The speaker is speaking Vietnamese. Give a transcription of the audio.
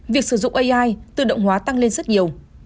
việc sử dụng ai tự động hóa tăng lên rất nhiều